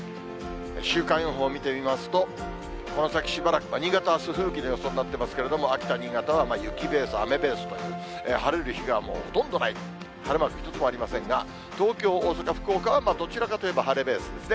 週間予報を見てみますと、この先しばらくは、新潟、あす、吹雪の予想になっていますけれども、秋田、新潟は雪ベース、雨ベースという、晴れる日がもうほとんどない、晴れマーク一つもありませんが、東京、大阪、福岡はどちらかというと晴れベースですね。